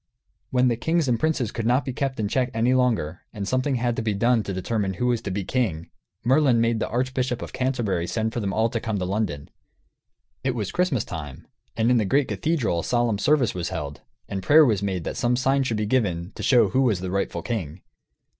When the kings and princes could not be kept in check any longer, and something had to be done to determine who was to be king, Merlin made the Archbishop of Canterbury send for them all to come to London. It was Christmas time, and in the great cathedral a solemn service was held, and prayer was made that some sign should be given, to show who was the rightful king.